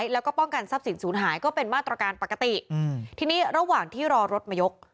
แล้วก็ป้องกันทรัพย์สินศูนย์หายก็เป็นมาตรการปกติทีนี้ระหว่างที่รอรถมายก